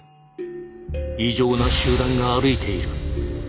異常な集団が歩いている。